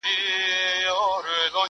چا له بېري هلته سپوڼ نه سو وهلاى٫